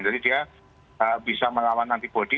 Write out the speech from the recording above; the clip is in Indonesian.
jadi dia bisa melawan antibody